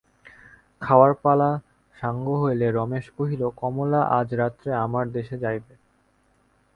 খাওয়ার পালা সাঙ্গ হইলে রমেশ কহিল, কমলা, আজ রাত্রে আমরা দেশে যাইব।